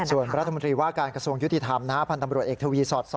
ส่วนประธรรมดิว่าการกระทรวงยุติธรรมพันธมรวชเอกทวีสอร์ต๒